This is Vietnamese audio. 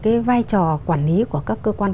cái vai trò quản lý của các cơ quan